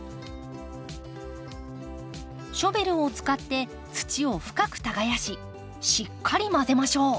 ショベルを使って土を深く耕ししっかり混ぜましょう。